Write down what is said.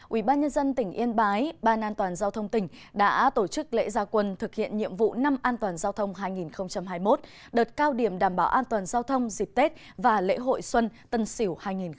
ubnd tỉnh yên bái ban an toàn giao thông tỉnh đã tổ chức lễ gia quân thực hiện nhiệm vụ năm an toàn giao thông hai nghìn hai mươi một đợt cao điểm đảm bảo an toàn giao thông dịp tết và lễ hội xuân tân sỉu hai nghìn hai mươi một